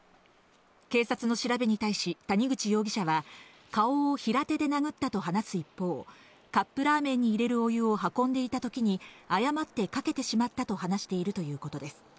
警察の調べに対し、谷口容疑者は顔を平手で殴ったと話す一方、カップラーメンに入れるお湯を運んでいた時に誤ってかけてしまったと話しているということです。